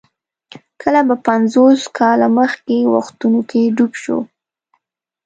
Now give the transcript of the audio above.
کله به پنځوس کاله مخکې وختونو کې ډوب شو.